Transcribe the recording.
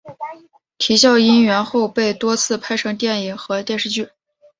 啼笑因缘后被多次拍成电影和电视剧。